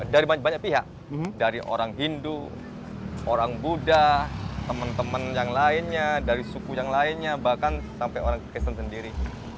dari banyak pihak dari orang hindu orang buddha teman teman yang lainnya dari suku yang lainnya bahkan sampai orang kristen sendiri